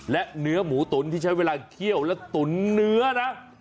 และเนื้อหมูตุ๋นที่ใช้เวลาเคี่ยวและตุ๋นเนื้อนะ